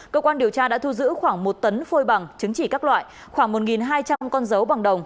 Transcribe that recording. cơ quan điều tra đã thu giữ khoảng một tấn phôi bằng chứng chỉ các loại khoảng một hai trăm linh con dấu bằng đồng